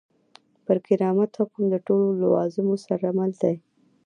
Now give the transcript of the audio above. پر کرامت حکم له ټولو لوازمو سره مل دی.